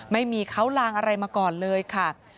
ไม่มีเขาลางอะไรมาก่อนเลยค่ะ